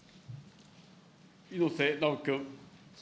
猪瀬直樹君。